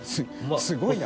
すごいな。